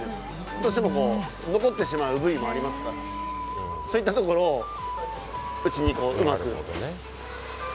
どうしてもこう、残ってしまう部位もありますから、そういったところをうちにこう、うまく。